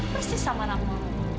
persis sama nama